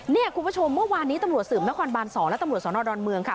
เนี่ยคุณผู้ชมเมื่อวานนี้ตำรวจสืบนครบาน๒และตำรวจสนดอนเมืองค่ะ